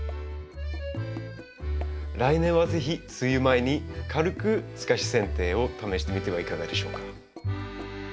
来年は是非梅雨前に軽く透かしせん定を試してみてはいかがでしょうか？